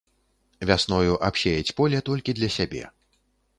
Вясною абсеяць поле толькі для сябе.